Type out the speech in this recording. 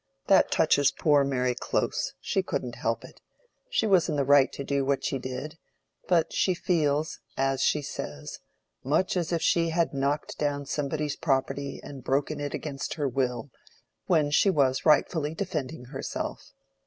That touches poor Mary close; she couldn't help it—she was in the right to do what she did, but she feels, as she says, much as if she had knocked down somebody's property and broken it against her will, when she was rightfully defending herself.